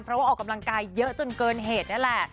เพราะว่าออกกำลังกายเยอะจนเกินเหตุนั่นแหละ